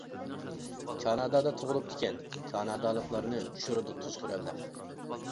كانادادا تۇغۇلۇپتىكەن، كانادالىقلارنى چۈشۈرىدۇ، تۇزكور ئەبلەخ.